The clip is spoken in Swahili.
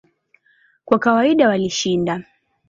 Kwa kawaida walishinda.